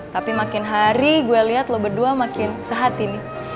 tapi makin hari gue lihat lo berdua makin sehat ini